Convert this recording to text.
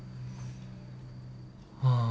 「ああ。